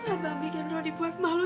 abang bikin roh dibuat malu